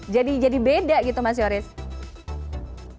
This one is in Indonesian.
beda gitu mas yoris